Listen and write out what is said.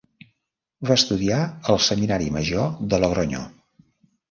Va estudiar al seminari major de Logronyo.